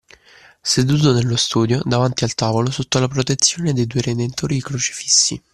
Seduto nello studio, davanti al tavolo, sotto la protezione dei due Redentori crocefissi